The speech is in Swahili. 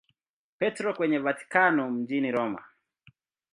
Petro kwenye Vatikano mjini Roma.